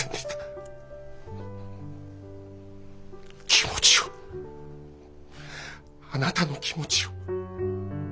気持ちをあなたの気持ちを。